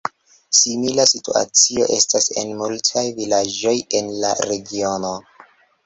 Simila situacio estas en multaj vilaĝoj en la regiono.